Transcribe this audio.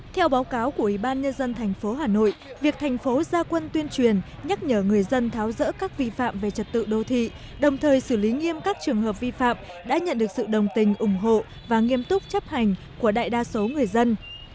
theo báo cáo của ubnd tp hà nội việc thành phố gia quân tuyên truyền nhắc nhở người dân tháo rỡ các vi phạm về trật tự đô thị đồng thời xử lý nghiêm các trường hợp vi phạm đã nhận được sự đồng tình ủng hộ và nghiêm túc chấp hành của đại đa số người dân